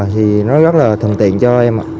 thì nó rất là thân thiện cho em